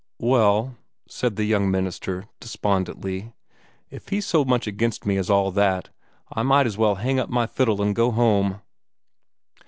"Well," said the young minister, despondently, "if he's as much against me as all that, I might as well hang up my fiddle and go home."